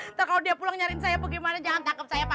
ntar kalau dia pulang nyari saya bagaimana jangan tangkap saya pak